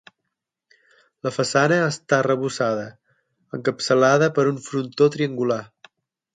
La façana està arrebossada, encapçalada per un frontó triangular.